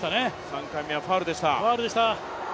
３回目はファウルでした。